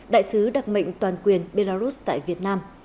đại sứ đặc mệnh toàn quyền belarus tại việt nam